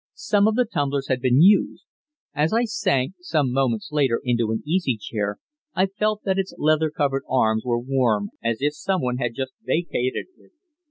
Some of the tumblers had been used. As I sank, some moments later, into an easy chair, I felt that its leather covered arms were warm, as if someone had just vacated it.